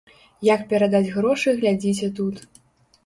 Як перадаць грошы глядзіце тут.